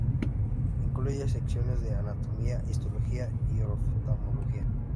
Incluye secciones de Anatomía, Histología y Oftalmología.